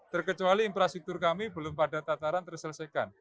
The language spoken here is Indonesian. terkecuali infrastruktur kami belum pada tataran terselesaikan